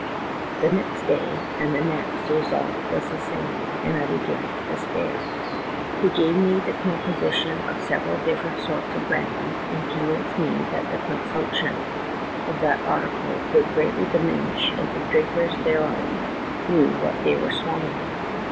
"The next day and the next the result was the same, and I began to despair. He gave me the 304 THE TALKING HANDKERCHIEF. composition of several different sorts of brandy, and convinced me that the consumption of that article would greatly diminish if the drinkers thereof knew what they were swallowing.